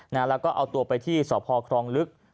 แล้วก็เอาตัวไปที่สพครองลึก